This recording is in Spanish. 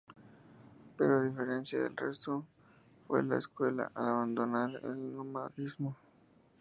Pero a diferencia del resto, fue a la escuela, al abandonar el nomadismo.